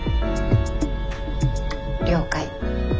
了解。